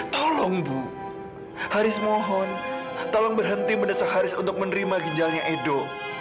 tolong bu haris mohon tolong berhenti mendesak haris untuk menerima ginjalnya edo